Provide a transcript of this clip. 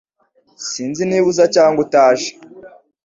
Sinzi niba uza cyangwa utaje